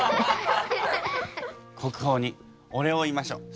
国宝にお礼を言いましょう。